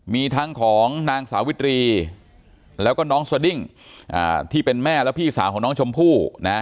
มีทั้งของนางสาวิตรีแล้วก็น้องสดิ้งที่เป็นแม่และพี่สาวของน้องชมพู่นะ